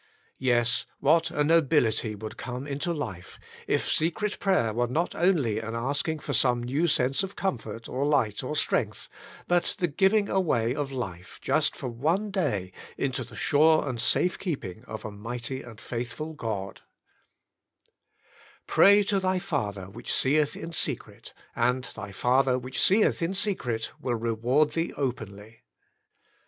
Yes, what a nobility would come into life, if secret prayer were not only an asking for some new sense of comfort, or light, or strength, but the Giving Away of Life Just for One^JJay Into the Sure and Safe Ejeeping of a Mighty and Faithful GOD^ " Pray to thy Father which seeth in secret, and thy Father which seeth in secret will reward thee openly."